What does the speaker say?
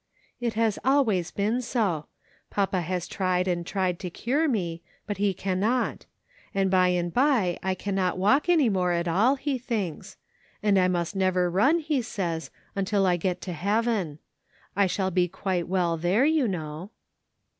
" It has always been so ; papa has tried and tried to cure me, but he cannot; and by and by I cannot walk any more at all, he thinks. And I must never run, he says, until I get to Heaven. I shall be quite well there, you know."